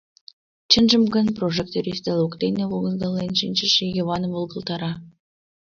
Чынжым гын, прожектор ӱстел воктене возгален шинчыше Йываным волгалтара.